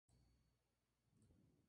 Ojos que no ven, mierda que pisas